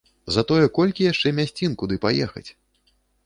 Затое колькі яшчэ мясцін, куды паехаць!